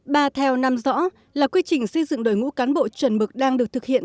ba theo năm rõ là quy trình xây dựng đội ngũ cán bộ chuẩn mực đang được thực hiện